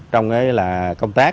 trong đó là công tác